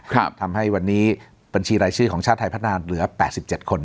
ทำให้วันนี้บัญชีรายชื่อของชาติไทยพัฒนาเหลือแปดสิบเจ็ดคน